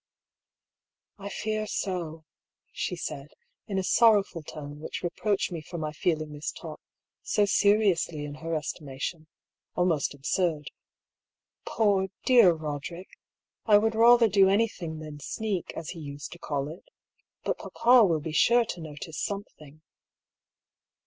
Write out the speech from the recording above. " I fear so," she said, in a sorrowful tone which re proached me for my feeling this talk, so seriously in her estimation, almost absurd. " Poor, dear Roderick I I would rather do anything than ' sneak,' as he used to call it. But papa will be sure to notice something."